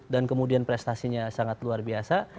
dan kemudian prestasinya sangat luar biasa